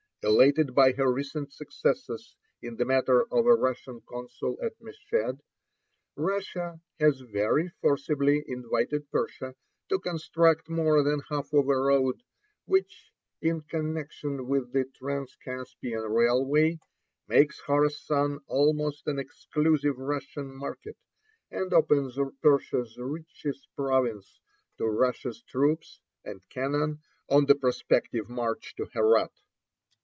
Elated by her recent successes in the matter of a Russian consul at Meshed, Russia has very forcibly invited Persia to construct more than half of a road which, in connection with the Transcaspian railway, makes Khorassan almost an exclusive Russian market, and opens Persia' s richest province to Russia's troops and cannon on the prospective march to Herat.